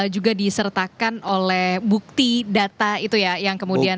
juga disertakan oleh bukti data itu ya yang kemudian